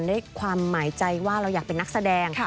ด้วยความหมายใจว่าเราอยากเป็นนักแสดง